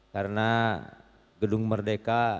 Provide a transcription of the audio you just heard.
karena gedung merdeka